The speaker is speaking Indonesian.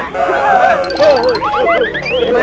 tuh sini luman